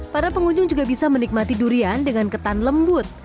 para pengunjung juga bisa menikmati durian dengan ketan lembut